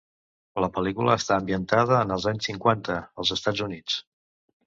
La pel·lícula està ambientada en els anys cinquanta, als Estats Units.